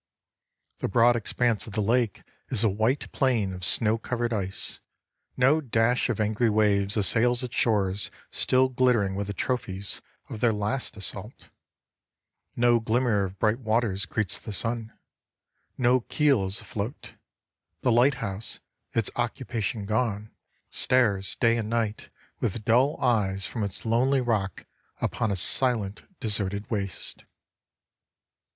The broad expanse of the lake is a white plain of snow covered ice: no dash of angry waves assails its shore still glittering with the trophies of their last assault; no glimmer of bright waters greets the sun; no keel is afloat; the lighthouse, its occupation gone, stares day and night with dull eyes from its lonely rock, upon a silent deserted waste.